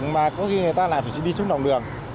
mà có khi người ta lại phải đi xuống lòng đường